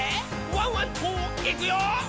ワンワンといくよ」